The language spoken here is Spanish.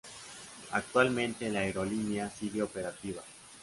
Actualmente la aerolínea sigue operativa.